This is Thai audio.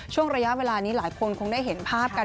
ช่วงเวลานี้หลายคนคงได้เห็นภาพกัน